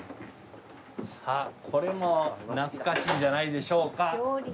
さあこれも懐かしいんじゃないでしょうか？